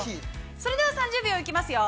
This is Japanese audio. ◆それでは３０秒いきますよ。